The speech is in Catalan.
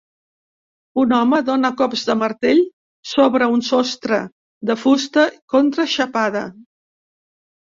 Un home dona cops de martell sobre un sostre de fusta contraxapada.